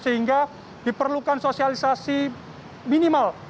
sehingga diperlukan sosialisasi minimal